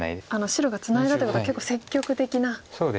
白がツナいだということは結構積極的な打ち方ですね。